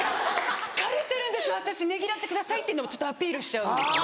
「疲れてるんです私ねぎらってください」ってのをちょっとアピールしちゃうんです。